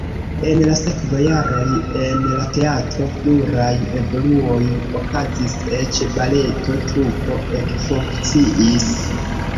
En la sekvaj jaroj en la teatro pluraj evoluoj okazis, eĉ baleto trupo ekfunkciis.